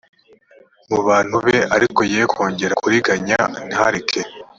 mu bantu be ariko ye kongera kuriganya ntareke